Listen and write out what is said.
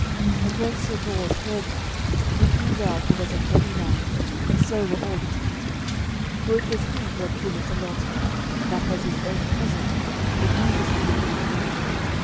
And when Sir Bors heard that, wit ye well he was a heavy man, and so were all his kinsmen, for it was he who had given Sir Launcelot, that was his own cousin, the grievous wound in the tournament.